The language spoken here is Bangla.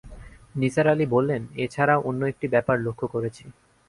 নিসার আলি বললেন, এ ছাড়াও অন্য একটি ব্যাপার লক্ষ করেছি।